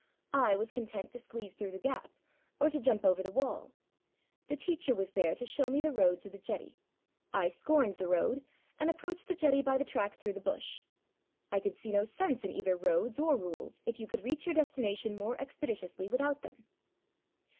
I was content to squeeze through the gap or to jump over the wall. The teacher was there to show me the road to the jetty; I scorned the road, and approached the jetty by the track through the bush. I could see no sense in either roads or rules if you could reach your destination more expeditiously without them.